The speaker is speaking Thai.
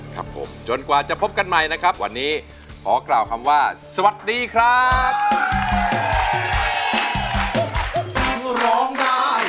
ครับผมจนกว่าจะพบกันใหม่นะครับวันนี้ขอกล่าวคำว่าสวัสดีครับ